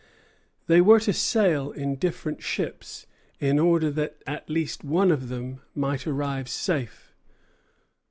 They were to sail in different ships, in order that at least one of them might arrive safe.